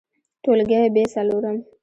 ټولګى : ب څلورم